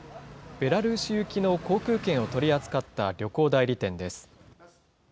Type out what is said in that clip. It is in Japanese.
ベラルーシ行きの航空券を取り扱った旅行代理店です。